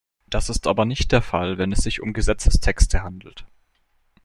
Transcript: Das ist aber nicht der Fall, wenn es sich um Gesetzestexte handelt.